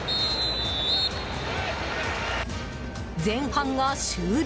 前半が終了。